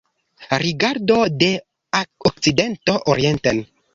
Rigardo de okcidento orienten.